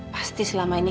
pasti selama ini